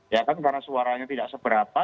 ya kan karena suaranya tidak seberapa